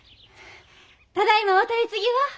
ただいまお取り次ぎを。